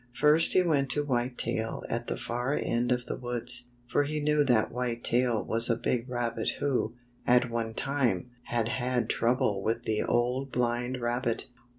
First he went to White Tail at the far end of the woods, for he knew that White Tail was a big rabbit who, at one time, had had trouble with the Old Blind Rabbit.